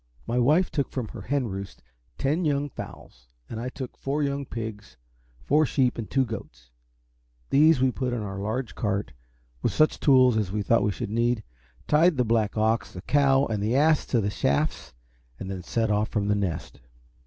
My wife took from her hen roost ten young fowls, and I took four young pigs, four sheep, and two goats. These we put in our large cart, with such tools as we thought we should need, tied the black ox, the cow, and the ass to the shafts, and then set off from The Nest.